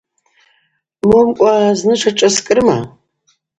Момкӏва зны тшашӏаскӏрыма?